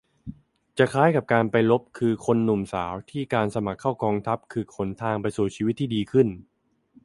จะคล้ายกับการไปรบ คือ "คนหนุ่มสาว" ที่การสมัครเข้ากองทัพคือหนทางไปสู่ชีวิตที่ดีขึ้น